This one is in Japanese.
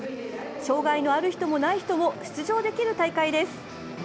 障害のある人もない人も出場できる大会です。